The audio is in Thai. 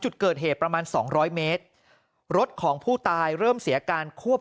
จุดเกิดเหตุประมาณสองร้อยเมตรรถของผู้ตายเริ่มเสียการควบ